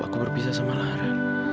aku berpisah sama lara